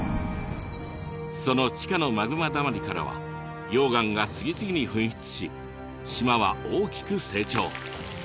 その地下のマグマだまりからは溶岩が次々に噴出し島は大きく成長。